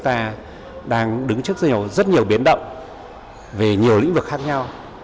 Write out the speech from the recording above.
chúng ta đang đứng trước rất nhiều biến động về nhiều lĩnh vực khác nhau